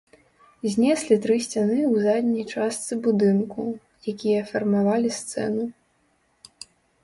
Знеслі тры сцяны ў задняй частцы будынку, якія фармавалі сцэну.